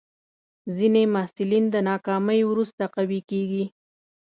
ځینې محصلین د ناکامۍ وروسته قوي کېږي.